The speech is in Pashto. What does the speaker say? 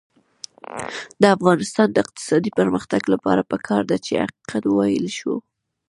د افغانستان د اقتصادي پرمختګ لپاره پکار ده چې حقیقت وویلی شو.